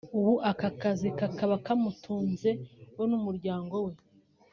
ubu aka kazi kakaba kamutunze we n’umuryango we